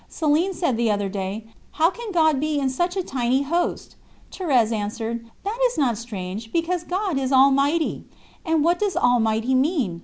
Céline said the other day: 'How can God be in such a tiny Host?' Thérèse answered: 'That is not strange, because God is Almighty!' 'And what does Almighty mean?'